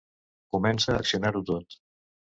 Comença a accionar-ho tot.